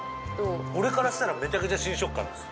俺からしたらめちゃくちゃ新食感です